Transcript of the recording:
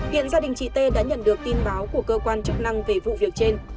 hiện gia đình chị t đã nhận được tin báo của cơ quan chức năng về vụ việc trên